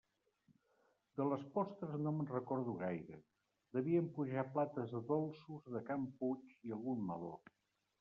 De les postres no me'n recordo gaire; devien pujar plates de dolços de can Puig i algun meló.